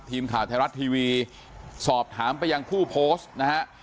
ทีมข่าวไทยรัฐทีวีสอบถามไปยังผู้โพสต์นะฮะ